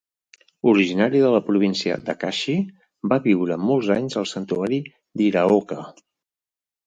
Originari de la província d'Akashi, va viure molts anys al santuari d'Hiraoka.